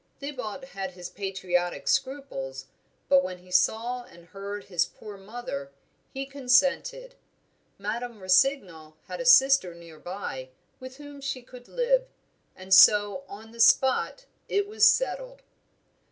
Thibaut had his patriotic scruples; but when he saw and heard his poor mother, he consented. Madame Rossignol had a sister near by, with whom she could live. And so on the spot it was settled."